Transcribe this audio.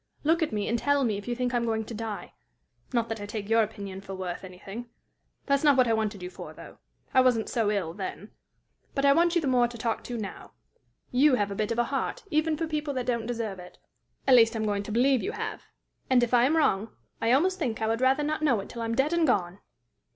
Look at me, and tell me if you think I am going to die not that I take your opinion for worth anything. That's not what I wanted you for, though. I wasn't so ill then. But I want you the more to talk to now. You have a bit of a heart, even for people that don't deserve it at least I'm going to believe you have; and, if I am wrong, I almost think I would rather not know it till I'm dead and gone!